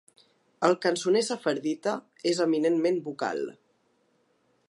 El cançoner sefardita és eminentment vocal.